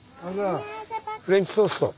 フレンチトースト。